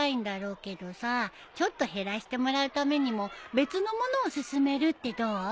ちょっと減らしてもらうためにも別のものを勧めるってどう？